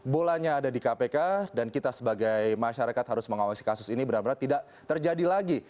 bolanya ada di kpk dan kita sebagai masyarakat harus mengawasi kasus ini benar benar tidak terjadi lagi